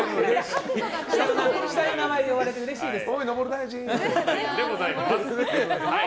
下の名前で呼ばれてうれしいです。